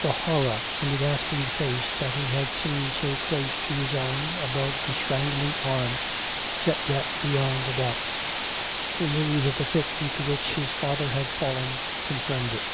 The horror in the gasping face that he had seen so close to his own, above the strangling arm, set that beyond a doubt; the news of the fit into which his father had fallen con firmed it.